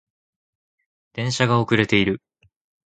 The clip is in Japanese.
電車が遅れている